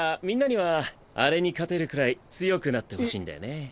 みんなにはあれに勝てるくらい強くなってほしいんだよね。